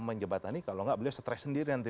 menjembatani kalau tidak beliau stress sendiri